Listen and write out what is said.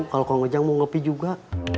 kalau kau ngejang mau ngepi juga